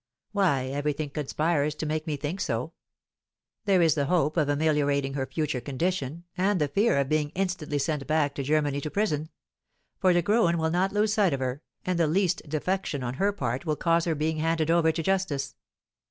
"Why, everything conspires to make me think so. There is the hope of ameliorating her future condition, and the fear of being instantly sent back to Germany to prison; for De Graün will not lose sight of her, and the least defection on her part will cause her being handed over to justice."